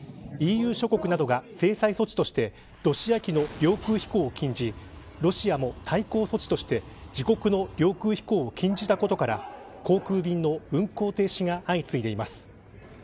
ＥＵ諸国などが制裁措置としてロシア機の領空飛行を禁じロシアも対抗措置として自国の領空飛行を禁じたことから航空便の運航停止が相次いでいます。